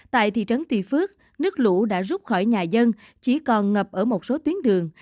tại thị trấn kỳ phước nước lũ đã rút khỏi nhà dân chỉ còn ngập ở một số tuyến đường